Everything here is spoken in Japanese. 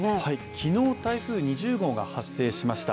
昨日台風２０号が発生しました。